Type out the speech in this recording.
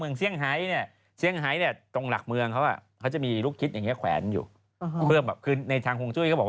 ลูกคิดใดก็ได้แต่ต้องแปดแถวมันก็แปดแถวอยู่แล้วไม่ใช่เปล่า